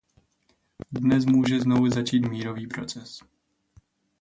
Dnes může znovu začít mírový proces.